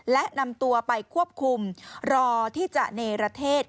และนำตัวไปควบคุมรอที่จะเนรเทศ